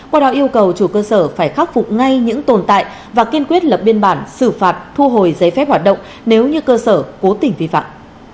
qua đó yêu cầu chủ cơ sở phải khắc phục ngay những tồn tại và kiên quyết lập biên bản xử phạt thu hồi giấy phép hoạt động nếu như cơ sở cố tình vi phạm